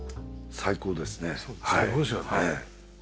最高ですよね。